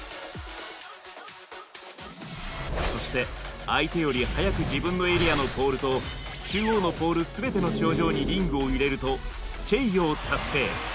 そして相手よりはやく自分のエリアのポールと中央のポール全ての頂上にリングを入れると「チェイヨー」達成！